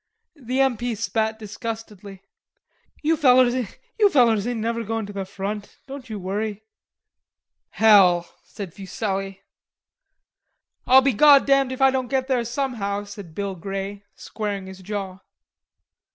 The M. P. spat disgustedly. "You fellers ain't never goin' to the front, don't you worry." "Hell!" said Fuselli. "I'll be goddamned if I don't get there somehow," said Bill Grey, squaring his jaw.